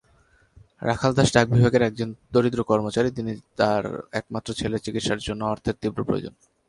রাখাল দাস ডাক বিভাগের একজন দরিদ্র কর্মচারী যিনি তার একমাত্র ছেলের চিকিৎসার জন্য অর্থের তীব্র প্রয়োজন।